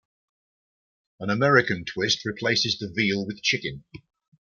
An American twist replaces the veal with chicken.